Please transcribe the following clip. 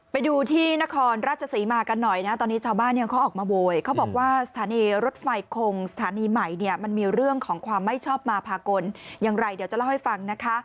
ไปดูที่นครราชศรีมากันหน่อยนะตอนนี้ชาวบ้านเนี่ยเขาออกมาโวยเขาบอกว่าสถานีรถไฟคงสถานีใหม่เนี่ยมันมีเรื่องของความไม่ชอบมาพากลอย่างไรเดี๋ยวจะเล่าให้ฟังนะคะ